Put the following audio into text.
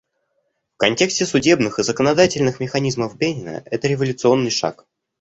В контексте судебных и законодательных механизмов Бенина — это революционный шаг.